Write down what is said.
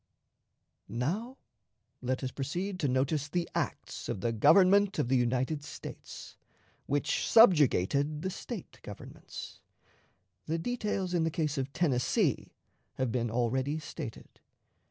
Now let us proceed to notice the acts of the Government of the United States, which subjugated the State governments. The details in the case of Tennessee have been already stated.